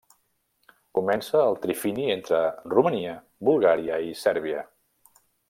Comença al trifini entre Romania, Bulgària i Sèrbia.